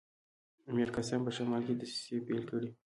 میرقاسم په شمال کې دسیسې پیل کړي.